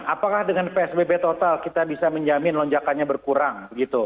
apakah dengan psbb total kita bisa menjamin lonjakannya berkurang